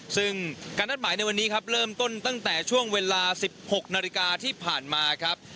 ซึ่งการนัดหมายในวันนี้ครับเริ่มต้นตั้งแต่ช่วงเวลา๑๖นาฬิกาที่ผ่านมาครับ